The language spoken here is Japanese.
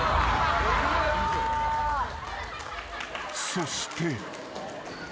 ［そして］